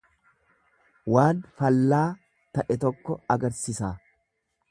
Waan fallaa ta'e tokko agarsisa.